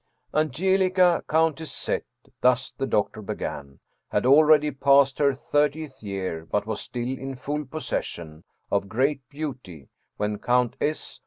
" Angelica, Countess Z.," thus the doctor began, " had already passed her thirtieth year, but was still in full pos session of great beauty, when Count S.